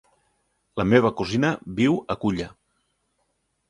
La meva cosina viu a Culla.